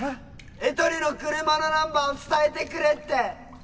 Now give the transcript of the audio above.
エトリの車のナンバーを伝えてくれって！